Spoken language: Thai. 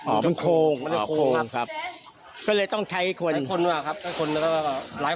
โอ้มันโครงมันจะโครงครับ